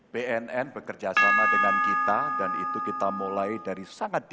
bnn bekerjasama dengan kita dan itu kita mulai dari sangat diperlukan